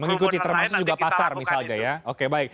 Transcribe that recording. mengikuti termasuk juga pasar misalnya ya oke baik